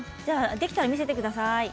できたら見せてください。